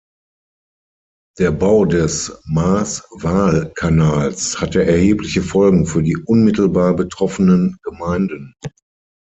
Der Bau des Maas-Waal-Kanals hatte erhebliche Folgen für die unmittelbar betroffenen Gemeinden.